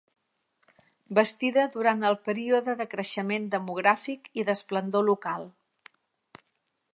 Bastida durant el període de creixement demogràfic i d'esplendor local.